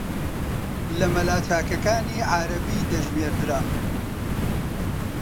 لە مەلا چاکەکانی عارەبی دەژمێردرا